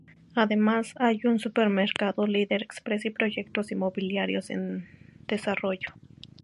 Además, hay un supermercado Líder Express y proyectos inmobiliarios en desarrollo.